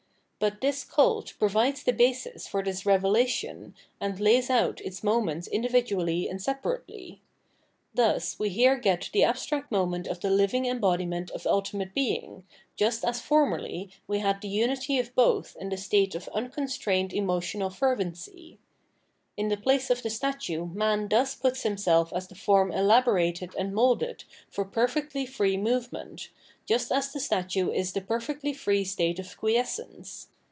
But this cult provides the basis for this revelation, and lays out its moments individually and separately. Thus we here get the abstract moment of the living em bodiment of ultimate Being, just as formerly we had the unity of both in the state of unconstrained emo tional fervency. In the place of the statue man thus puts himself as the form elaborated and moulded for perfectly free movement, just as the statue is the perfectly free state of quiescence.